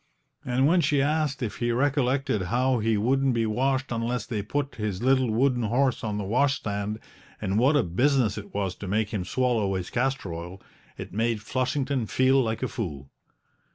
And when she asked if he recollected how he wouldn't be washed unless they put his little wooden horse on the washstand, and what a business it was to make him swallow his castor oil, it made Flushington feel like a fool.